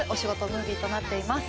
ムービーとなっています。